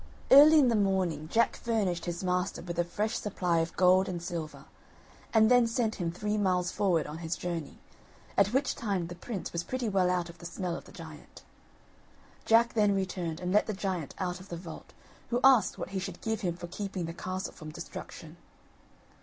Early in the morning Jack furnished his master with a fresh supply of gold and silver, and then sent him three miles forward on his journey, at which time the prince was pretty well out of the smell of the giant. Jack then returned, and let the giant out of the vault, who asked what he should give him for keeping the castle from destruction.